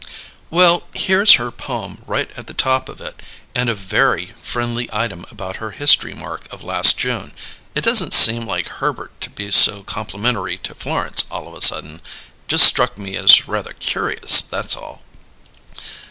"Well, here's her poem right at the top of it, and a very friendly item about her history mark of last June. It doesn't seem like Herbert to be so complimentary to Florence, all of a sudden. Just struck me as rather curious; that's all."